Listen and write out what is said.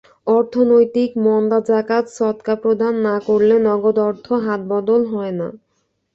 অর্থনৈতিক মন্দাজাকাত সদকা প্রদান না করলে নগদ অর্থ হাতবদল হয় না।